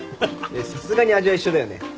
さすがに味は一緒だよね？